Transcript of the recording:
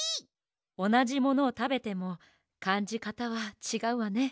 おなじものをたべてもかんじかたはちがうわね。